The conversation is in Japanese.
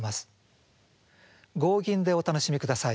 合吟でお楽しみください。